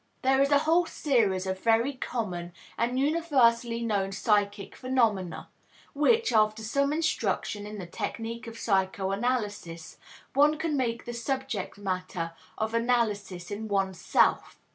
There is a whole series of very common and universally known psychic phenomena, which, after some instruction in the technique of psychoanalysis, one can make the subject matter of analysis in one's self.